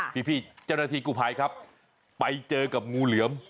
พี่เจ้าหน้าที่กูภัยครับไปเจอกับงูเหลือม